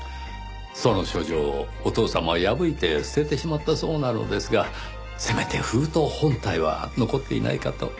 その書状をお父様は破いて捨ててしまったそうなのですがせめて封筒本体は残っていないかと。